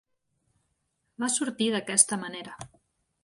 Va sortir d'aquesta manera.